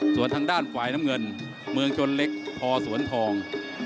ส่วนทางด้านฝ่ายน้ำเงินเมืองชนเล็กพอสวนทอง